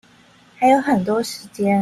還有很多時間